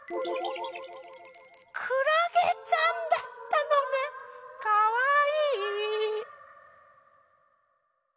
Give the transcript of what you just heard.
くらげちゃんだったのねかわいい！